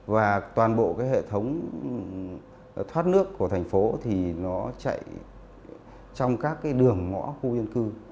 và toàn bộ cái hệ thống thoát nước của thành phố thì nó chạy trong các cái đường ngõ khu dân cư